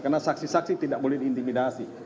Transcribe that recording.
karena saksi saksi tidak boleh diintimidasi